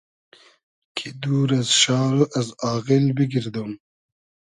کی دور از شار و از آغیل بیگئردوم